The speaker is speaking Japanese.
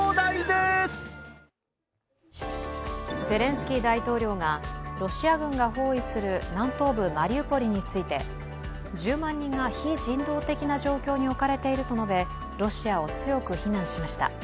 ゼレンスキー大統領がロシア軍が包囲する南東部マリウポリについて１０万人が非人道的な状況に置かれていると述べ、ロシアを強く非難しました。